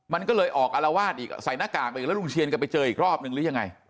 มันก็เลยออกอารวาสอีกใส่หน้ากากไปอีกแล้วลุงเชียนก็ไปเจออีกรอบนึงหรือยังไง